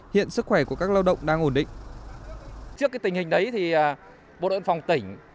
hiện sức khỏe của các lao động đang ổn định